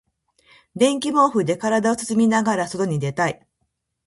電気毛布で体を包みながら外に出たい。